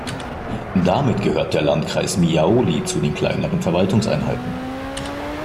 Damit gehört der Landkreis Miaoli zu den kleineren Verwaltungseinheiten.